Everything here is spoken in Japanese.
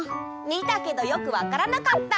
みたけどよくわからなかった！